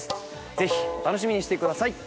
ぜひ楽しみにしてください！